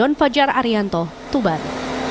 dion fajar arianto tubar